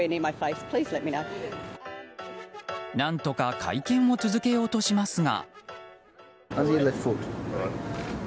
何とか会見を続けようとしますが。